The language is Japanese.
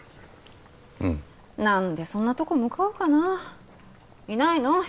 うん何でそんなとこ向かうかないないの？